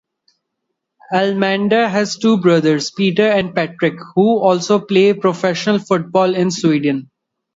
Elmander has two brothers Peter and Patrik who also play professional football in Sweden.